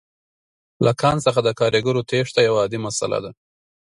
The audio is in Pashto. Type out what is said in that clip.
له کان څخه د کارګرو تېښته یوه عادي مسئله ده